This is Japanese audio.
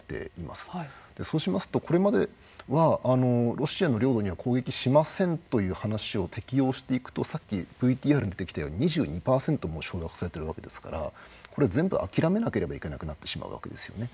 そうしますとこれまではロシアの領土には攻撃しませんという話を適用していくとさっきＶＴＲに出てきたように２２％も掌握されてるわけですからこれ全部諦めなければいけなくなってしまうわけですよね。